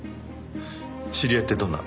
知り合いってどんな？